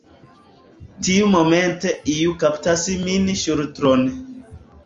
Tiumomente iu kaptas mian ŝultron.